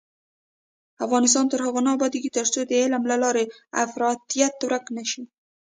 افغانستان تر هغو نه ابادیږي، ترڅو د علم له لارې افراطیت ورک نشي.